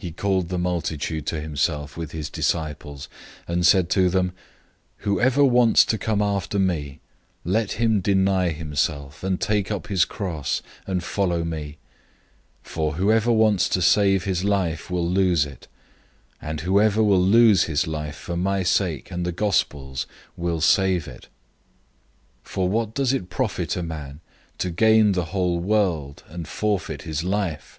008:034 He called the multitude to himself with his disciples, and said to them, "Whoever wants to come after me, let him deny himself, and take up his cross, and follow me. 008:035 For whoever wants to save his life will lose it; and whoever will lose his life for my sake and the sake of the Good News will save it. 008:036 For what does it profit a man, to gain the whole world, and forfeit his life?